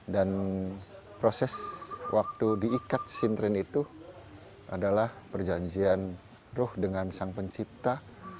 dan proses waktu diikat sin tren itu adalah perjanjian ruh dengan sang pencipta